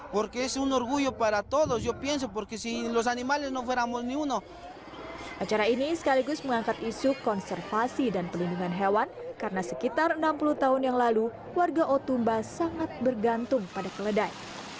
perayaan ini dalam rangka memeriahkan hari buruh serta hari keledai